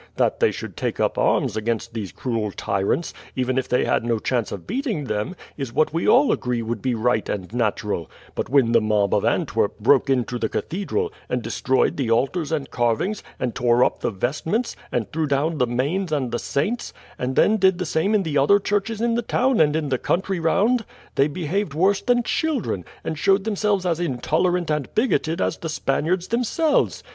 That they should take up arms against these cruel tyrants, even if they had no chance of beating them, is what we all agree would be right and natural; but when the mob of Antwerp broke into the cathedral, and destroyed the altars and carvings, and tore up the vestments, and threw down the Manes and the saints, and then did the same in the other churches in the town and in the country round, they behaved worse than children, and showed themselves as intolerant and bigoted as the Spaniards themselves.